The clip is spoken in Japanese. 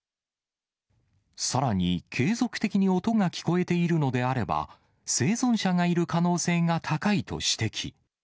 さらに継続的に音が聞こえているのであれば、生存者がいる可能性が高いと指摘。